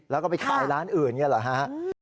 แล้วก็ไปขายร้านอื่นอย่างนี้เหรอฮะ